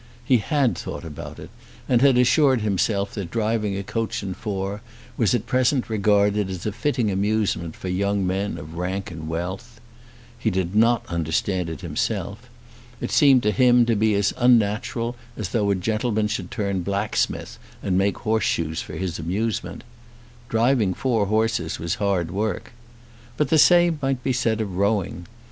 He had thought about it, and had assured himself that driving a coach and four was at present regarded as a fitting amusement for young men of rank and wealth. He did not understand it himself. It seemed to him to be as unnatural as though a gentleman should turn blacksmith and make horseshoes for his amusement. Driving four horses was hard work. But the same might be said of rowing.